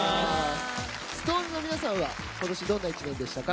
ＳｉｘＴＯＮＥＳの皆さんは今年どんな１年でしたか？